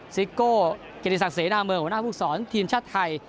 ซิกโกเกณฑศักดิ์เสนาเมืองหัวหน้าภูกษรทีมชาติไทย